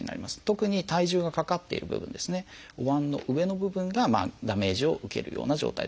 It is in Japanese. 特に体重がかかっている部分ですねおわんの上の部分がダメージを受けるような状態です。